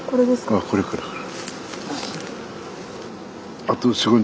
ああこれこれこれ。